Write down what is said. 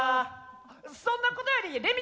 そんなことよりれみ